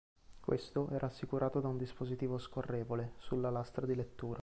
Questo era assicurato da un dispositivo scorrevole sulla lastra di lettura.